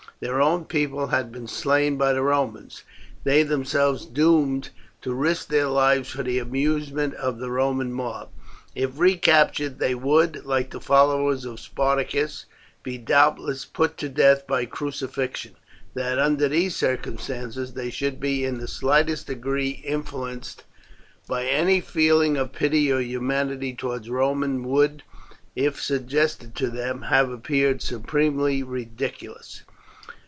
Their own people had been slain by the Romans, they themselves doomed to risk their lives for the amusement of the Roman mob. If recaptured they would, like the followers of Spartacus, be doubtless put to death by crucifixion. That, under these circumstances, they should be in the slightest degree influenced by any feeling of pity or humanity towards Romans would, if suggested to them, have appeared supremely ridiculous.